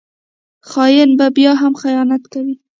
خاین به بیا هم خیانت کوي